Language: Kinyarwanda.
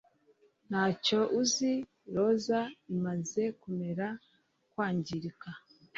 Ntacyo uzi roza imaze kumera kwangirika